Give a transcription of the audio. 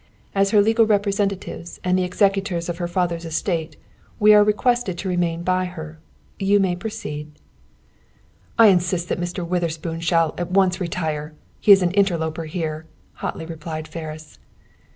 As her legal representatives and the executors of her father's estate, we are requested to remain by her. You may proceed." "I insist that Mr. Witherspoon shall, at once, retire. He is an interloper here," hotly replied Ferris.